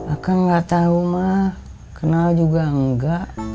akang nggak tahu ma kenal juga nggak